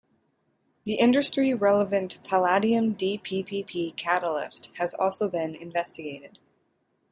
The industrially-relevant palladium-dppp catalyst has also been investigated.